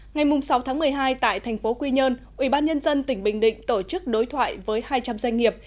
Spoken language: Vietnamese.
ngày sáu một mươi hai tại tp quy nhơn ubnd tỉnh bình định tổ chức đối thoại với hai trăm linh doanh nghiệp